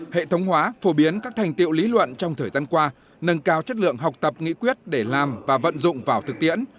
hệ thống hóa phổ biến các thành tiệu lý luận trong thời gian qua nâng cao chất lượng học tập nghị quyết để làm và vận dụng vào thực tiễn